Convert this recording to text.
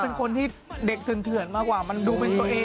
บ๊อตพี่ซีดิวาร์ด้วย